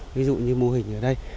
ví dụ như mô hình ở đây